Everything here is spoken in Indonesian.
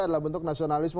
adalah bentuk nasionalisme